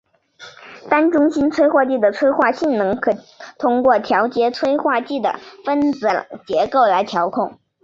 单中心催化剂的催化性能可通过调节催化剂的分子结构来调控。